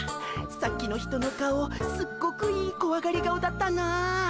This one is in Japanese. さっきの人の顔すっごくいいこわがり顔だったなあ。